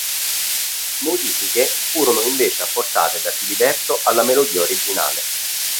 Modifiche furono invece apportate da Filiberto alla melodia originale.